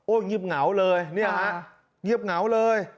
เงียบเหงาเลยเนี่ยฮะเงียบเหงาเลย